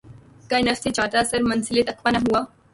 گر نفس جادہٴ سر منزلِ تقویٰ نہ ہوا